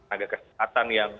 agak kesehatan yang